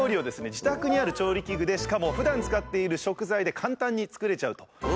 自宅にある調理器具でしかもふだん使っている食材で簡単に作れちゃうというんですね。